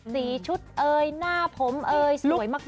สีชุดเอยหน้าผมเอ่ยสวยมาก